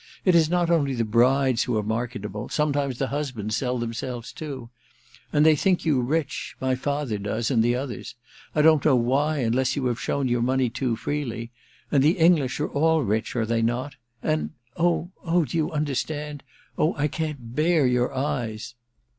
It is not only the brides who are marketable — sometimes the husbands sell themselves too. — And they think you rich — my father does, and the others — I don't know why, unless you have shown your money too freely — and the English are all rich, are they not? And — oh, oh — do you understand? Oh, I can't bear your eyes